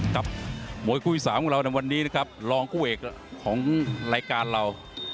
กับมวยคู่อีก๓ของเราในวันนี้นะครับรองคู่เอกของรายการเรา